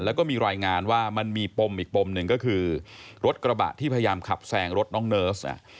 แล้วก็มีรายงานว่ามันมีปมอีกปมหนึ่งก็คือรถกระบะที่พยายามขับแซงรถน้องเนิร์ส